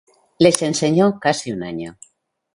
Le enseñó casi un año.